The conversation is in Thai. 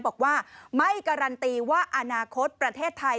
บอกว่าไม่การันตีว่าอนาคตประเทศไทย